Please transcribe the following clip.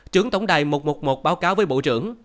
trưởng tổng đài một trăm một mươi một báo cáo với bộ trưởng